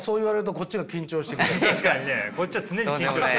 こっちは常に緊張してるから。